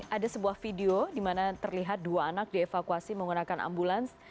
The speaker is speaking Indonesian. ada sebuah video di mana terlihat dua anak dievakuasi menggunakan ambulans